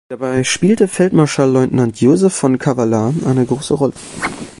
Dabei spielte Feldmarschall-Leutnant Joseph von Cavallar eine große Rolle.